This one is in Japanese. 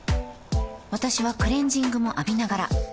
私はクレジングも浴びながら